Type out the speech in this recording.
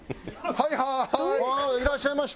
はいはーい！